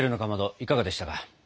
いかがでしたか？